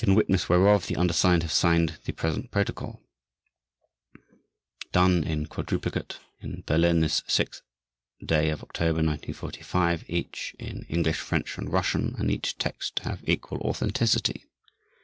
IN WITNESS WHEREOF the Undersigned have signed the present Protocol. DONE in quadruplicate in Berlin this 6th day of October, 1945, each in English, French, and Russian, and each text to have equal authenticity.